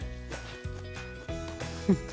フフ。